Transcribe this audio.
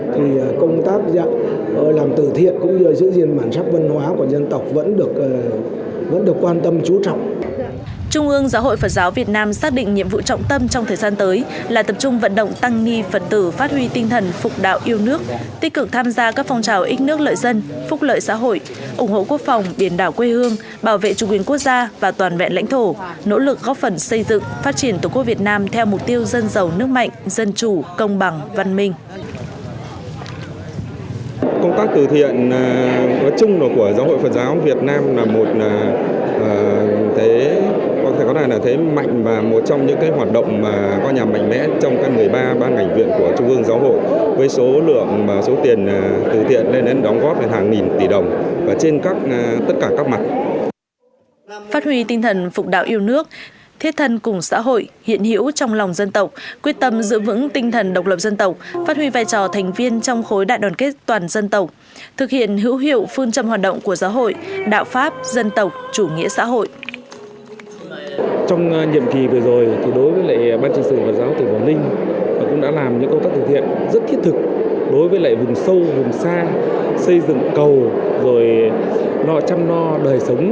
tích cực tham gia các phong trào ít nước lợi dân phúc lợi xã hội ủng hộ quốc phòng biển đảo quê hương bảo vệ chủ quyền quốc gia và toàn vẹn lãnh thổ nỗ lực góp phần xây dựng phát triển tổ quốc việt nam theo mục tiêu dân giàu nước mạnh dân chủ công bằng văn minh